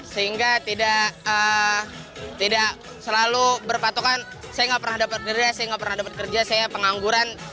sehingga tidak selalu berpatukan saya nggak pernah dapat kerja saya pengangguran